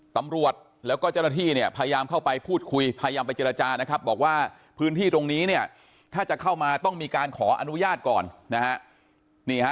ตำรวจแล้วก็เจ้าหน้าที่เนี่ยพยายามเข้าไปพูดคุยพยายามไปเจรจานะครับบอกว่าพื้นที่ตรงนี้เนี่ยถ้าจะเข้ามาต้องมีการขออนุญาตก่อนนะฮะ